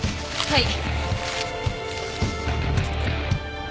はい。